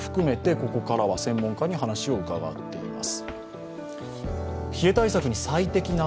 ここからは専門家に話を伺っています。